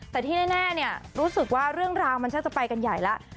แต่ที่แน่รู้สึกว่าเรื่องราวมันช่างจะไปกันใหญ่แล้ว